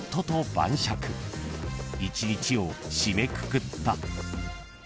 ［１日を締めくくった］